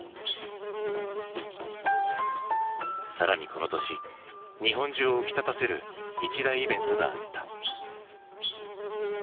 更にこの年日本中を浮き立たせる一大イベントがあった。